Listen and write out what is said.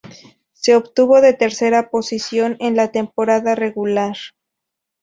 Se obtuvo la tercera posición en la temporada regular.